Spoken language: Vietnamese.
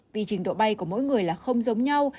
vì trình độ bay của mỗi người là không giống nhau